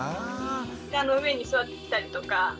膝の上に座ってきたりとか。